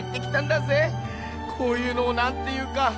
こういうのをなんていうか。